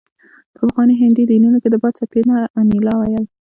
په پخواني هندي دینونو کې د باد څپې ته انیلا ویل